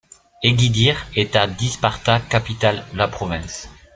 Eğirdir est à d'Isparta capitale la province.